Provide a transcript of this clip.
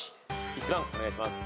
１番お願いします。